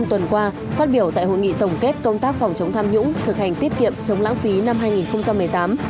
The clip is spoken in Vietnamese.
tuần qua phát biểu tại hội nghị tổng kết công tác phòng chống tham nhũng thực hành tiết kiệm chống lãng phí năm hai nghìn một mươi tám